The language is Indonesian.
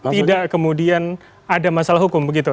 tidak kemudian ada masalah hukum begitu